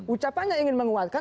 ucapannya ingin menguatkan